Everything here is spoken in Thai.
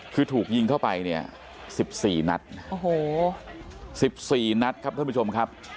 คือถูกยิงเข้าไปเนี่ย๑๔นัดโอ้โห๑๔นัดครับท่านผู้ชมครับ